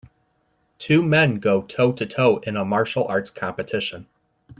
two men go toe to toe in a martial arts competition.